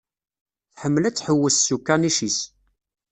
Tḥemmel ad tḥewwes s ukanic-is.